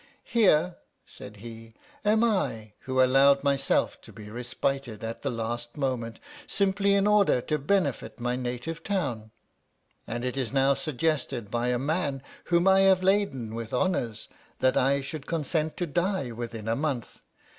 " Here," said he, " am I who allowed myself to be respited at the last moment, simply in order to benefit my native town, and it is now suggested by a man whom I have laden with honours, that I should consent to die within a month